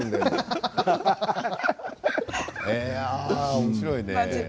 おもしろいね。